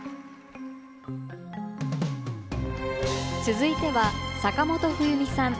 続いては坂本冬美さん